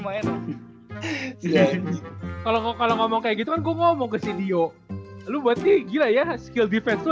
main kalau ngomong kayak gitu gue ngomong ke video lu berarti gila ya skill defense